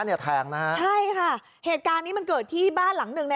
เนี่ยแทงนะฮะใช่ค่ะเหตุการณ์นี้มันเกิดที่บ้านหลังหนึ่งนะ